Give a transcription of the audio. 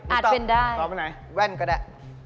อาจเป็นได้ตอบไหนที่ตอบแว่นก็ได้